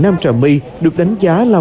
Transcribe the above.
nam trà my được đánh giá là